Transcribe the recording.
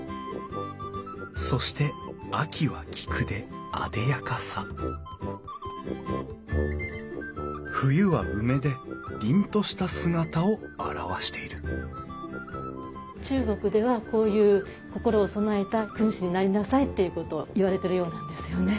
そして秋は菊であでやかさ冬は梅で凛とした姿を表している中国ではこういう心を備えた君子になりなさいっていうことを言われてるようなんですよね。